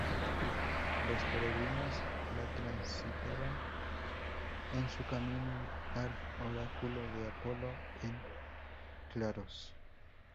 Los peregrinos la transitaban en su camino al oráculo de Apolo en Claros.